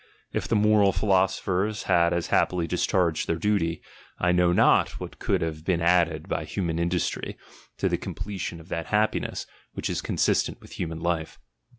If the moral philo sophers had as happily discharged their duty, I know not what could have been added by human industry to the completion of that happiness, which is consistent with human life.